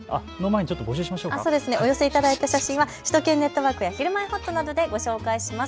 お寄せいただいた写真は首都圏ネットワークやひるまえほっとなどで紹介します。